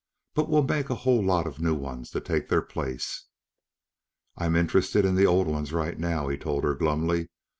But we'll make a whole lot of new ones to take their place." "I'm interested in the old ones right now," he told her glumly.